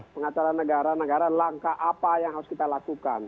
pengacara negara negara langkah apa yang harus kita lakukan